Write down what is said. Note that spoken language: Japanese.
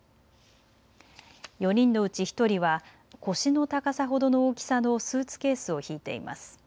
４人のうち１人は腰の高さほどの大きさのスーツケースを引いています。